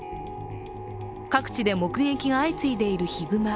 各地で目撃が相次いでいるヒグマ。